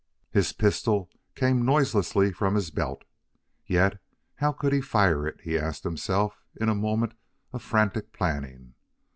His pistol came noiselessly from his belt. Yet, how could he fire it? he asked himself in a moment of frantic planning.